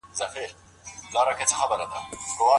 مثبتي کړني او مشورې ښې پايلي لرلای سي.